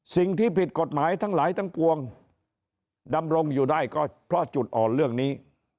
สิ่งที่ผิดกฎหมายทั้งหลายทั้งปวงดำรงอยู่ได้ก็เพราะจุดอ่อนเรื่องนี้